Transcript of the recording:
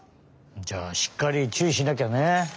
じゃあしっかりちゅういしなきゃね。